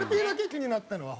気になったのは。